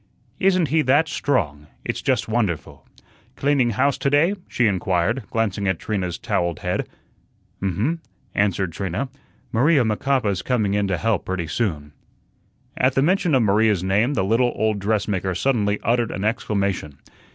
"Isn't he that strong! It's just wonderful. Cleaning house to day?" she inquired, glancing at Trina's towelled head. "Um hum," answered Trina. "Maria Macapa's coming in to help pretty soon." At the mention of Maria's name the little old dressmaker suddenly uttered an exclamation.